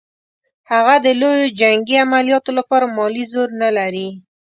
هغه د لویو جنګي عملیاتو لپاره مالي زور نه لري.